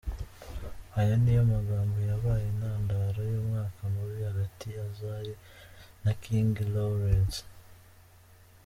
Aya niyo magambo yabaye intandaro y'umwuka mubi hagati ya Zari na King Lawrence.